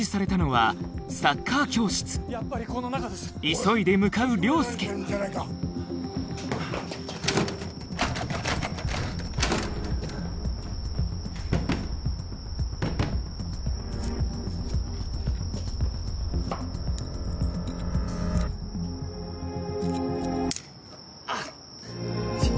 急いで向かう凌介あっ！